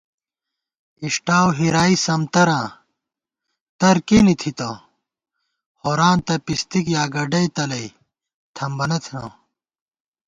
اِݭٹاؤ ہِرائی سمتراں ترکېنےتھِتہ ہورانتہ پِستِک یا گڈَئی تلَئ تھمبَنہ تھنہ